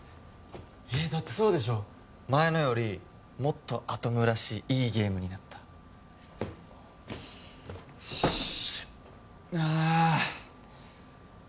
えっだってそうでしょう前のよりもっとアトムらしいいいゲームになったよしああっ！